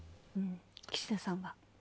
岸田さんは？